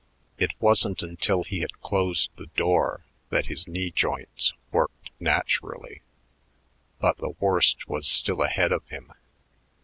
It wasn't until he had closed the door that his knee joints worked naturally. But the worst was still ahead of him.